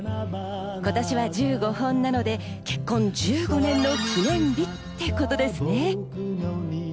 今年は１５本なので、結婚１５年の記念日ってことですね。